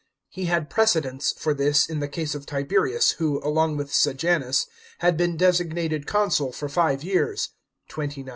He had precedents for this in the case of Tiberius, who, along with Sejanus, had been designated consul for five years (29 A.D.)